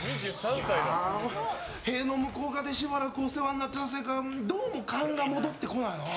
塀の向こう側でしばらくお世話になってたせいかどうも勘が戻ってこないな。